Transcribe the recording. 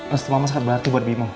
restu mama sangat berarti buat bimo